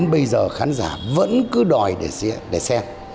bây giờ khán giả vẫn cứ đòi để xem